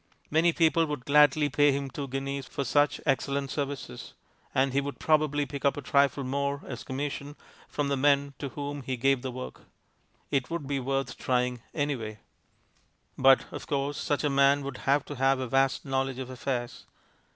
Many people would gladly pay him two guineas for such excellent services, and he could probably pick up a trifle more as commission from the men to whom he gave the work. It would be worth trying anyway. But, of course, such a man would have to have a vast knowledge of affairs.